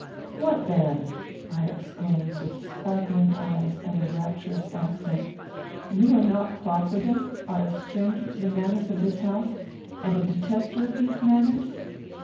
"What, then!" I exclaimed, with sparkling eyes and a rapturous accent, "you are not profligate; are a stranger to the manners of this house, and a detester of these manners?